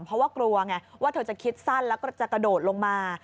เพราะว่ากลัวไงว่าเธอจะคิดสั้นแล้วก็จะกระโดดลงมา